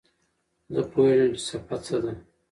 زه پوهېږم چې څپه څه ده.